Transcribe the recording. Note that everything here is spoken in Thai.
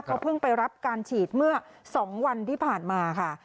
เขาเพิ่งไปรับการฉีดเมื่อ๒วันที่ผ่านมาค่ะ